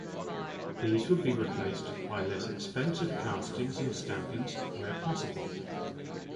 These would be replaced by less expensive castings and stampings where possible.